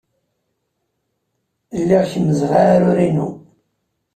Lliɣ kemmzeɣ aɛrur-inu.